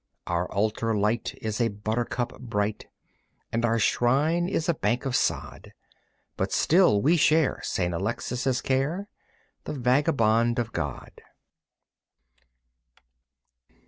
Our altar light is a buttercup bright, And our shrine is a bank of sod, But still we share St. Alexis' care, The Vagabond of God!